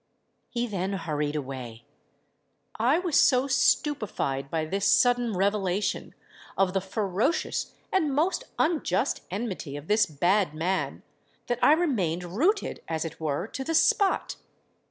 "He then hurried away. I was so stupefied by this sudden revelation of the ferocious and most unjust enmity of this bad man, that I remained rooted as it were to the spot.